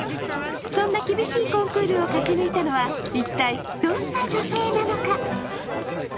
そんな厳しいコンクールを勝ち抜いたのは一体どんな女性なのか。